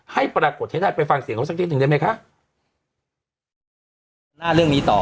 ให้ปรากฏให้ได้ไปฟังเสียงเขาสักนิดหนึ่งได้ไหมคะหน้าเรื่องนี้ต่อ